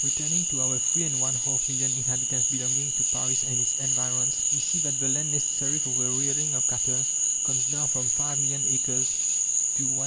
Returning to our three and one half million inhabitants belonging to Paris and its environs, we see that the land necessary for the rearing of cattle comes down from five million acres to 197,000.